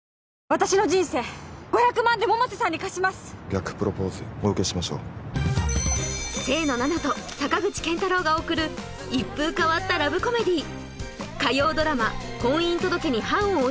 私の人生５００万で百瀬さんに貸します逆プロポーズお受けしましょう清野菜名と坂口健太郎が贈る一風変わったラブコメディがついにスタート